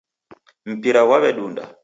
Mpira ghwaw'edunda.